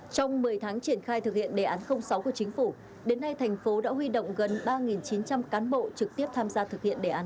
trong một mươi tháng triển khai thực hiện đề án sáu của chính phủ đến nay thành phố đã huy động gần ba chín trăm linh cán bộ trực tiếp tham gia thực hiện đề án